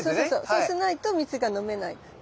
そうしないと蜜が飲めない。